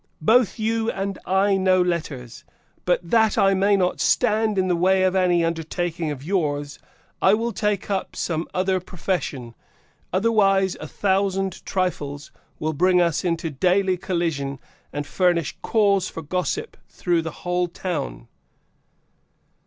Both you and I know letters, but that I may not stand in the way of any undertaking of yours, I will take up some other profession. Otherwise, a thousand trifles will bring us into daily collision and furnish cause for gossip through the whole town."